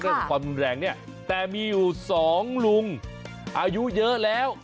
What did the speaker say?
ความรุนแรงเนี่ยแต่มีอยู่สองลุงอายุเยอะแล้ว